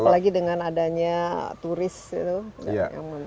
apalagi dengan adanya turis itu